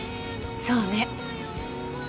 そうね。